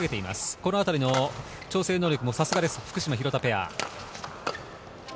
このあたりの調整能力もさすがです、福島・廣田ペア。